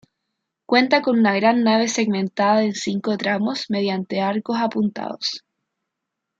Cuenta con una única gran nave segmentada en cinco tramos mediante arcos apuntados.